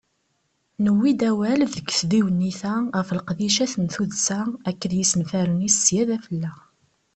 Newwi-d awal deg tdiwennit-a ɣef leqdicat n tuddsa akked yisenfaren-is sya d afella.